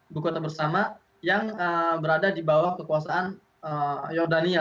ibu kota bersama yang berada di bawah kekuasaan jordania